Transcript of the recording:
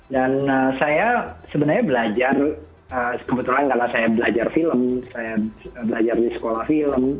dan saya sebenarnya belajar kebetulan karena saya belajar film saya belajar di sekolah film